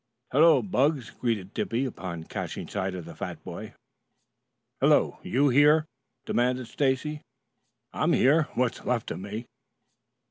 "Hullo, Bugs," greeted Dippy upon catching sight of the fat boy. "Hullo. You here?" demanded Stacy. "I'm here, what's left of me."